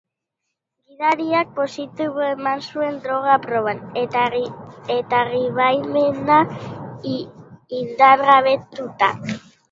Gidariak positibo eman zuen droga proban, eta gidabaimena indargabetuta.